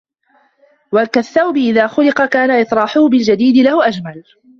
وَكَالثَّوْبِ إذَا خَلِقَ كَانَ اطِّرَاحُهُ بِالْجَدِيدِ لَهُ أَجْمَلَ